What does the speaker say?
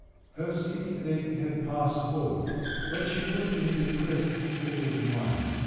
Her sick headache had passed off, but she was in a depressed state of mind.